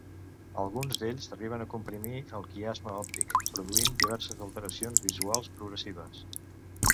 Alguns d'ells arriben a comprimir el quiasma òptic, produint diverses alteracions visuals progressives.